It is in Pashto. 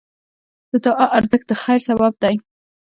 د دعا ارزښت د خیر سبب دی.